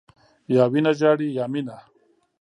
یا وینه ژاړي، یا مینه.